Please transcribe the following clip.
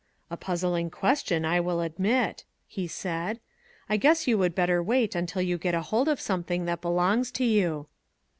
" A puzzling question, I will admit !" he said. " I guess you would better wait until you get hold of something that belongs to you."